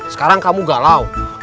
sekarang kamu galau